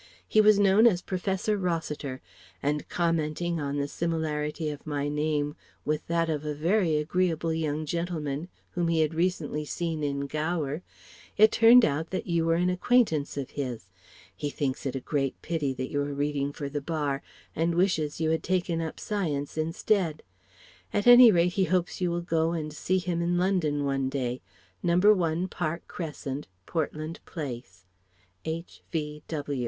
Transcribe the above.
He was known as "Professor Rossiter"; and commenting on the similarity of my name with that of a "very agreeable young gentleman" whom he had recently seen in Gower, it turned out that you were an acquaintance of his. He thinks it a great pity that you are reading for the Bar and wishes you had taken up Science instead. At any rate he hopes you will go and see him in London one day No. 1 Park Crescent. Portland Place. H.